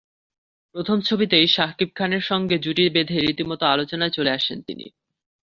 প্রথম ছবিতেই শাকিব খানের সঙ্গে জুটি বেঁধে রীতিমতো আলোচনায় চলে আসেন তিনি।